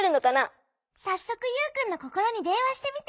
さっそくユウくんのココロにでんわしてみて。